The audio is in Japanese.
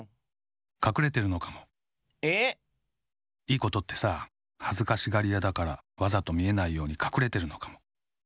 いいことってさはずかしがりやだからわざとみえないようにかくれてるのかも。